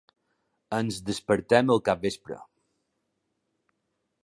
Ens despertem al capvespre.